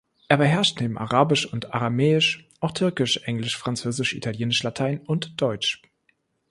Er beherrscht neben Arabisch und Aramäisch auch Türkisch, Englisch, Französisch, Italienisch, Latein und Deutsch.